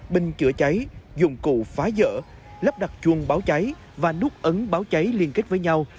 bình chữa cháy dụng cụ phá rỡ lắp đặt chuông báo cháy và núp ấn báo cháy liên kết với nhau